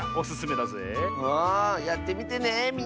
あやってみてねみんな。